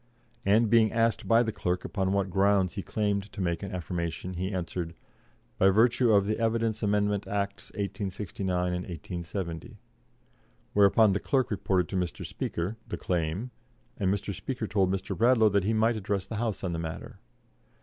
And being asked by the Clerk upon what grounds he claimed to make an affirmation, he answered: 'By virtue of the Evidence Amendment Acts, 1869 and 1870.' Whereupon the Clerk reported to Mr. Speaker" the claim, and Mr. Speaker told Mr. Bradlaugh that he might address the House on the matter.